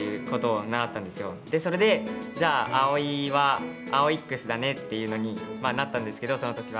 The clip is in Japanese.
それでじゃあ碧生は「アオイックス」だねっていうのになったんですけどその時は。